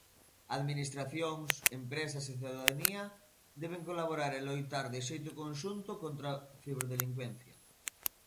Administracións, empresas e cidadanía deben colaborar e loitar de xeito conxunto contra a ciberdelincuencia.